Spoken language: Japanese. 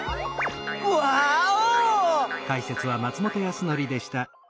ワーオ！